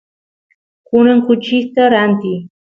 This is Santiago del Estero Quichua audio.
kunan kuchista rantiy